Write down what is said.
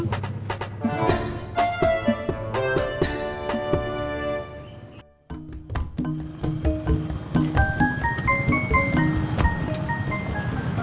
uih si bang